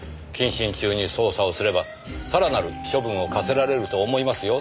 謹慎中に捜査をすればさらなる処分を科せられると思いますよ。